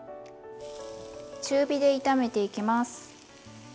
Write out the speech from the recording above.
中火で炒めていきます。